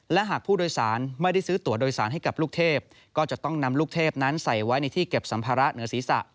และหากผู้โดยสารไม่ได้ซื้อตัวโดยสารให้กับลูกเทพก็จะต้องนำลูกเทพนั้นใส่ไว้ในที่เก็บสัมภาระเหนือศีรษะ